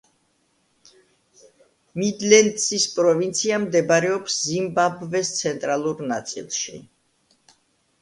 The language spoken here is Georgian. მიდლენდსის პროვინცია მდებარეობს ზიმბაბვეს ცენტრალურ ნაწილში.